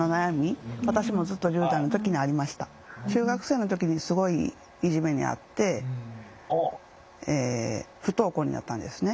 中学生の時にすごいいじめにあって不登校になったんですね。